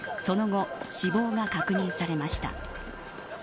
その後、死亡が確認されました。